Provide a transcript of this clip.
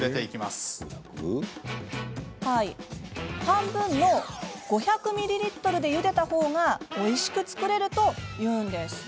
半分の５００ミリリットルでゆでた方がおいしく作れるというんです。